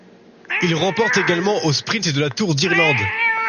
Il remporte également au sprint la du Tour d'Irlande.